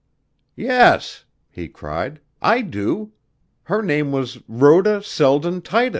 "Yes," he cried, "I do. Her name was Rhoda Selden Titus."